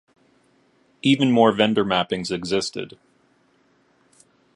Even more vendor mappings existed.